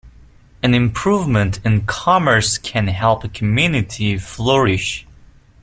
An improvement in commerce can help a community flourish.